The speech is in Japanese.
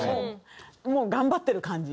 もう頑張ってる感じ。